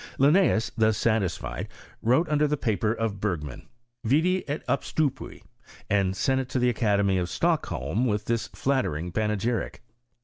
linneeus, thus satisfied, wrote under the paper of Bergman, Vidi et obstupuij and sent it to the academy of Stockholm with this flattering panegyric.